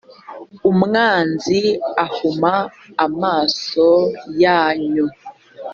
umwanzi ahuma amaso yanyu